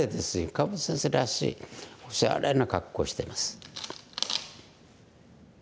川端先生らしいおしゃれな格好してます。